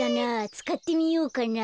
つかってみようかな。